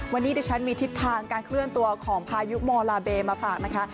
วันนี้ดิฉันมีทิศทางการเคลื่อนตัวของพายุโมลาเบมาฝากนะคะ